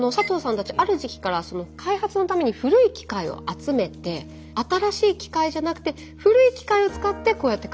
たちある時期から開発のために古い機械を集めて新しい機械じゃなくて古い機械を使ってこうやって開発を進めていったんです。